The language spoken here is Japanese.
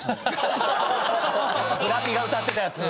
ブラピが歌ってたやつ？